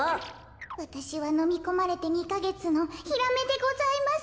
わたしはのみこまれて２かげつのヒラメでございます。